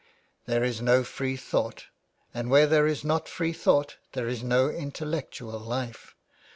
" There is no free thought, and where there is not free thought there is no intellectual life.